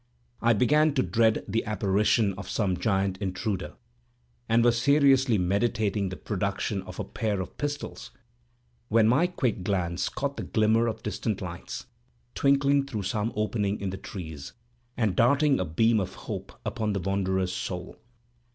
I began to dread the apparition of some giant intruder, and was seriously meditating the production of a pair of pistols, when my quick glance caught the glimmer of distant lights, twinkling through some opening in the trees, and darting a beam of hope upon the wanderer's soul.